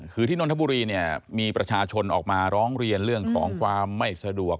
คือที่นนทบุรีเนี่ยมีประชาชนออกมาร้องเรียนเรื่องของความไม่สะดวก